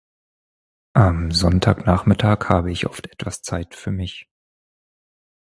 Am Sonntagnachmittag habe ich oft etwas Zeit für mich.